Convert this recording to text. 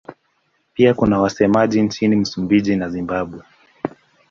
Pia kuna wasemaji nchini Msumbiji na Zimbabwe.